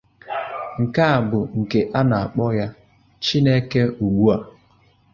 Nke a bụ nke a na-kpọ ya "Chineke" ugbua.